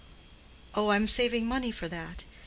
"Oh, I am saving money for that.